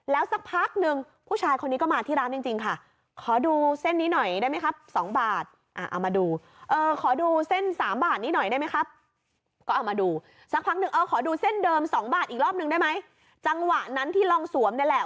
แล้วสักพักหนึ่งผู้ชายคนนี้ก็มาที่ร้านจริงจริงค่ะ